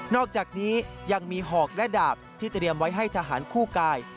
อกจากนี้ยังมีหอกและดาบที่เตรียมไว้ให้ทหารคู่กาย